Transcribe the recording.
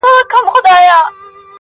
نیمه شپه روان د خپل بابا پر خوا سو٫